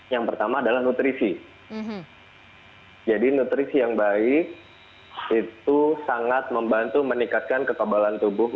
yang pertama adalah nutrisi jadi nutrisi yang baik itu sangat membantu meningkatkan kekebalan tubuh